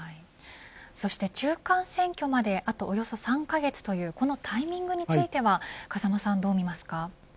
そして中間選挙まであと、およそ３カ月というこのタイミングについては風間さんはどう見ますか。